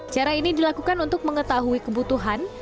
cara ini dilakukan untuk mengetahui kebutuhan